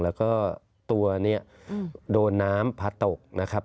แล้วก็ตัวนี้โดนน้ำพัดตกนะครับ